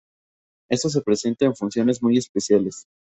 Esto se presenta en funciones muy especiales.